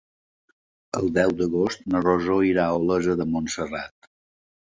El deu d'agost na Rosó irà a Olesa de Montserrat.